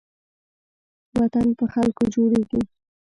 وطن په خلکو جوړېږي